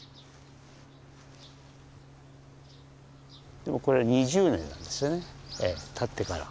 でもこれ２０年なんですよね建ってから。